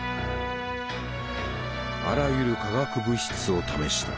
あらゆる化学物質を試した。